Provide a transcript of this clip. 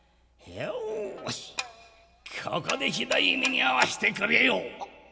よしここでひどい目に遭わせてくれよう」。